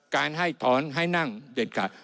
การให้ถอนให้นั่งเด็ดขาด